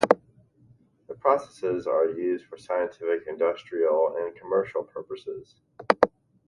The processes are used for scientific, industrial and commercial purposes.